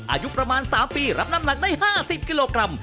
อายุประมาณ๓ปีรับน้ำหนักได้๕๐กิโลกรัม